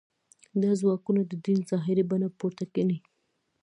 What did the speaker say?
دا ځواکونه د دین ظاهري بڼه پورته ګڼي.